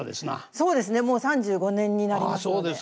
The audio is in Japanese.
そうですねもう３５年になります。